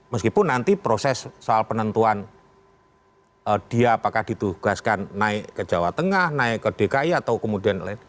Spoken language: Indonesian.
meskipun nanti proses soal penentuan dia apakah ditugaskan naik ke jawa tengah naik ke dki atau kemudian lain